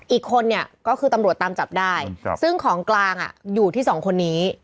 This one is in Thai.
อีกคนเนี่ยก็คือตำรวจตามจับได้ซึ่งของกลางอยู่ที่สองคนนี้